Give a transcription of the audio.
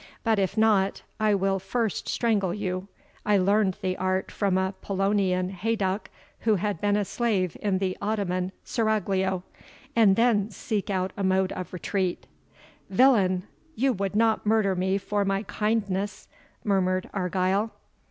But if not, I will first strangle you I learned the art from a Polonian heyduck, who had been a slave in the Ottoman seraglio and then seek out a mode of retreat." "Villain! you would not murder me for my kindness," murmured Argyle.